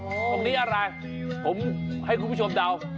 ตรงนี้อะไรผมให้คุณผู้ชมเดา